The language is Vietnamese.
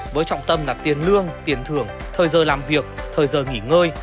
với trọng tâm là tiền lương tiền thưởng thời giờ làm việc thời giờ nghỉ ngơi